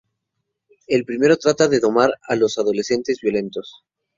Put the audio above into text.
El primero trata de domar a los adolescentes violentos.